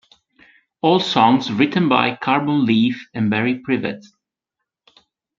All songs written by Carbon Leaf and Barry Privett.